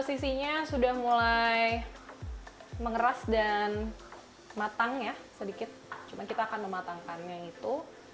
sisinya sudah mulai mengeras dan matang ya sedikit cuma kita akan mematangkannya itu